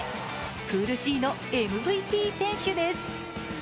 プールＣのＭＶＰ選手です。